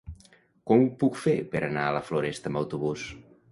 Com ho puc fer per anar a la Floresta amb autobús?